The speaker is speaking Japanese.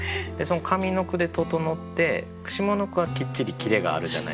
上の句で整って下の句はきっちりキレがあるじゃないですか。